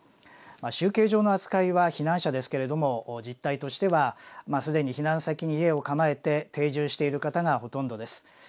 集計上の扱いは避難者ですけれども実態としては既に避難先に家を構えて定住している方がほとんどです。